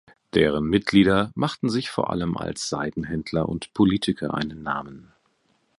Deren Mitglieder machten sich vor allem als Seidenhändler und Politiker einen Namen.